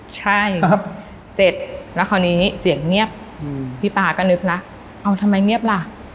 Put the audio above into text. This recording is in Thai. ใช่เสร็จแล้วคราวนี้เสียงเงียบพี่ป๊าก็นึกแล้วเอาทำไมเงียบล่ะ